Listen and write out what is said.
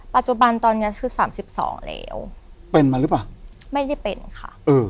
ปัจจุบันตอนเนี้ยชื่อสามสิบสองแล้วเป็นมาหรือเปล่าไม่ได้เป็นค่ะเออ